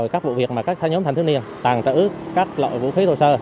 các vụ việc mà các nhóm thanh thiếu niên tàn trở ước các loại vũ khí thổ sơ